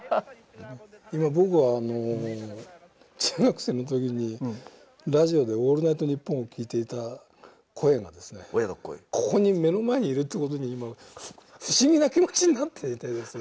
今僕は中学生の時にラジオで「オールナイトニッポン」を聴いていた声がここに目の前にいるという事に今不思議な気持ちになっていて。